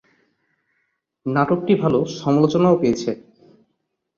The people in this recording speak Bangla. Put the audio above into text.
নাটকটি ভালো সমালোচনাও পেয়েছে।